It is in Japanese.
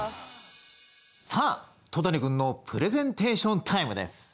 さあ戸谷君のプレゼンテーションタイムです。